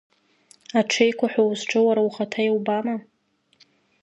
Аҽеиқәа ҳәа узҿу уара ухаҭа иубама?